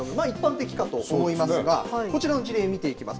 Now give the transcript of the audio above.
一般的かと思いますがこちらの事例見ていきます。